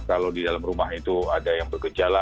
kalau di dalam rumah itu ada yang bergejala